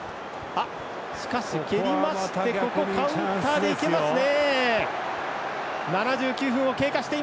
しかし蹴りましてここ、カウンターでいけますね。